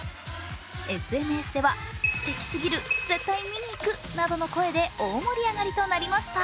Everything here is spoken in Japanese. ＳＮＳでは、すてきすぎる絶対見に行くなどの声で大盛り上がりとなりました。